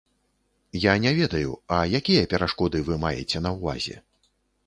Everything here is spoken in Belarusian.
Я не ведаю, а якія перашкоды вы маеце на ўвазе?